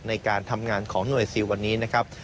ในการทำงานของหน่วยซิลวันนี้นะครับ